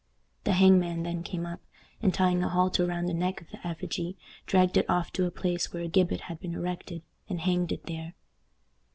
The hangman then came up, and, tying a halter round the neck of the effigy, dragged it off to a place where a gibbet had been erected, and hanged it there.